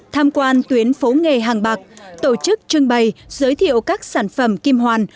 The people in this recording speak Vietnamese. tham quan tuyến phố nghề hàng bạc tổ chức trưng bày giới thiệu các sản phẩm kim hoàn